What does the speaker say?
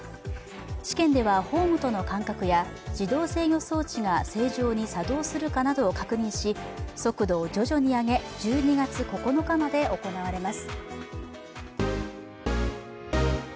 試験ではホームとの感覚や自動制御装置が正常に作動するかなどを確認し速度を徐々に上げ、１２月９日まで行われます。